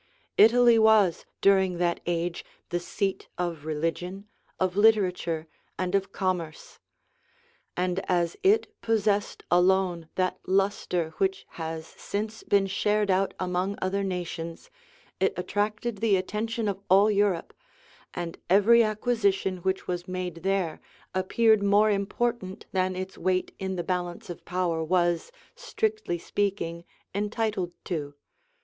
Italy was, during that age, the seat of religion, of literature, and of commerce; and as it possessed alone that lustre which has since been shared out among other nations, it attracted the attention of all Europe, and every acquisition which was made there appeared more important than its weight in the balance of power was, strictly speaking, entitled to.